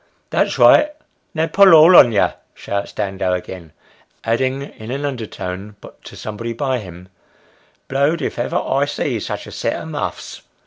" That's right now pull all on you !" shouts Dando again, adding, in an undertone, to somebody by him, " Blowed if hever I see sich a set of muffs